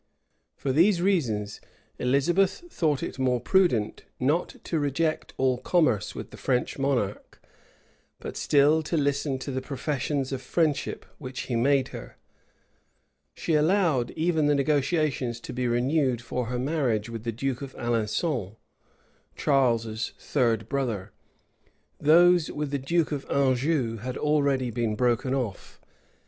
For these reasons Elizabeth thought it more prudent not to reject all commerce with the French monarch, but still to listen to the professions of friendship which he made her. She allowed even the negotiations to be renewed for her marriage with the duke of Alençon, Charles's third brother:[] those with the duke of Anjou had already been broken off.